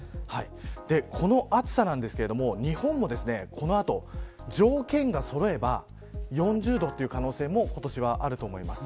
この暑さですが日本もこの後条件がそろえば４０度という可能性も今年はあると思います。